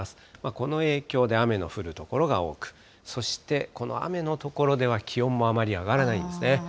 この影響で雨の降る所が多く、そして、この雨の所では気温もあまり上がらないんですね。